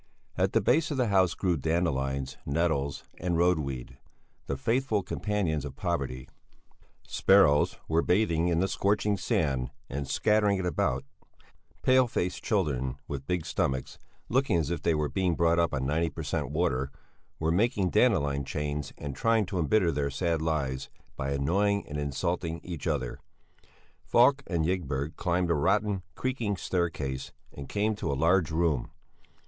At the base of the house grew dandelions, nettles, and roadweed, the faithful companions of poverty; sparrows were bathing in the scorching sand and scattering it about; pale faced children with big stomachs, looking as if they were being brought up on 90 per cent. of water, were making dandelion chains and trying to embitter their sad lives by annoying and insulting each other. Falk and Ygberg climbed a rotten, creaking staircase and came to a large room.